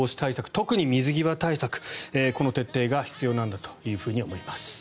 特に水際対策、この徹底が必要なんだと思います。